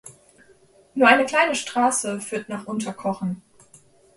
Nur eine kleine Straße führt nach Unterkochen.